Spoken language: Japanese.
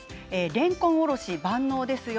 れんこんおろし、万能ですよ。